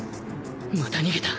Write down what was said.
また逃げた。